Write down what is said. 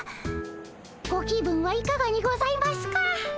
ご気分はいかがにございますか？